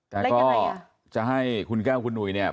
แต่ก็จะให้คุณแก้วคุณหนุ่ยเนี่ย